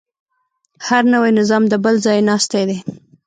هر نوی نظام د بل ځایناستی دی.